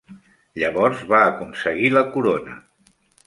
Llavors va aconseguir la corona.